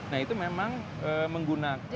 nah itu memang menggunakan